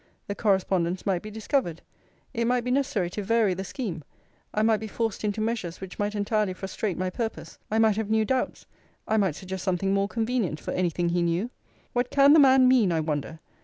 The correspondence might be discovered. It might be necessary to vary the scheme. I might be forced into measures, which might entirely frustrate my purpose. I might have new doubts. I might suggest something more convenient, for any thing he knew. What can the man mean, I wonder!